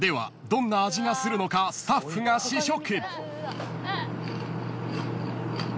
どんな味がするのかスタッフが試食］